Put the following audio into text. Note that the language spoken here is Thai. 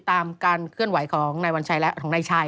ประมาณตัวขนาดไหนเจอ